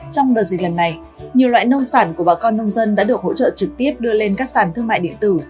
trong đợt dịch lần này nhiều loại nông sản của bà con nông dân đã được hỗ trợ trực tiếp đưa lên các sàn thương mại điện tử